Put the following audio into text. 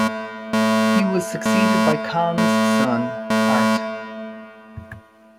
He was succeeded by Conn's son Art.